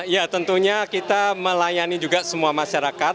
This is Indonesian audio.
ya tentunya kita melayani juga semua masyarakat